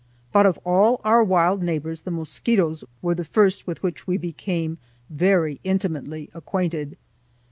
But of all our wild neighbors the mosquitoes were the first with which we became very intimately acquainted.